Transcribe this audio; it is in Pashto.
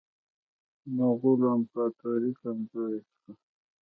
مغولو امپراطوري کمزورې شوه.